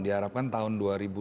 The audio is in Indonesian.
diharapkan tahun dua ribu dua puluh